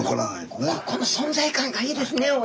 この存在感がいいですね